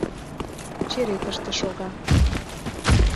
— Черетыште шога.